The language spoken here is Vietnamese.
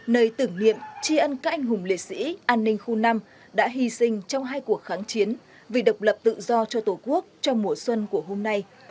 nơi tưởng niệm tri ân các anh hùng liệt sĩ an ninh khu năm đã hy sinh trong hai cuộc kháng chiến vì độc lập tự do cho tổ quốc trong mùa xuân của hôm nay